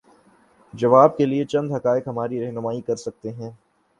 جواب کے لیے چند حقائق ہماری رہنمائی کر سکتے ہیں۔